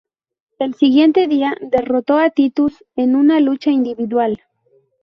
El siguiente día derrotó a Titus en una lucha individual.